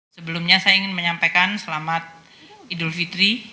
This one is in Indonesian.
sebelumnya saya ingin menyampaikan selamat idul fitri